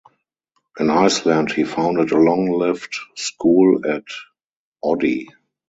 In Iceland he founded a long-lived school at Oddi.